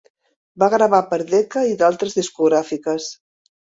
Va gravar per Decca i altes discogràfiques.